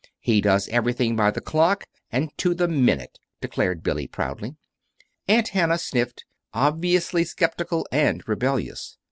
He does everything by the clock, and to the minute," declared Billy, proudly. Aunt Hannah sniffed, obviously skeptical and rebellious.